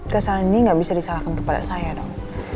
kesalahan ini gak bisa disalahkan kepada saya dong